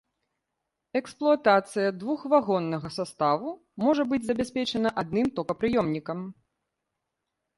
Эксплуатацыя двухвагоннага саставу можа быць забяспечана адным токапрыёмнікам.